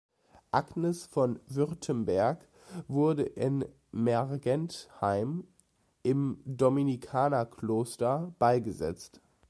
Agnes von Württemberg wurde in Mergentheim im Dominikanerkloster beigesetzt.